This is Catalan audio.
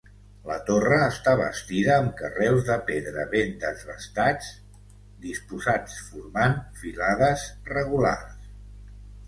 La torre està bastida amb carreus de pedra ben desbastats, disposats formant filades regulars.